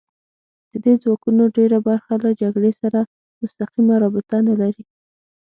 د دې ځواکونو ډېره برخه له جګړې سره مستقیمه رابطه نه لري